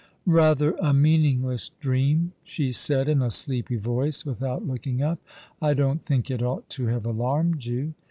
" Eather a meaningless dream," she said, in a sleepy voice, without looking up. *'I don't think it ought to have alarmed you."